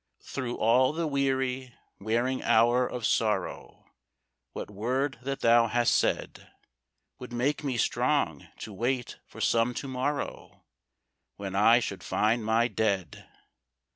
Through all the weary, wearing hour of sorrow, What word that thou hast said, Would make me strong to wait for some to morrow When I should find my dead?